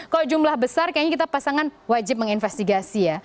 kalau jumlah besar kayaknya kita pasangan wajib menginvestigasi ya